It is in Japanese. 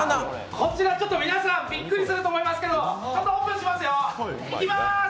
こちら、皆さんびっくりすると思いますけどちょっとオープンしますよ、いきまーす。